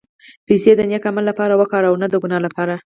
پېسې د نېک عمل لپاره وکاروه، نه د ګناه لپاره.